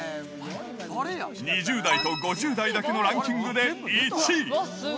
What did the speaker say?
２０代と５０代だけのランキングで１位。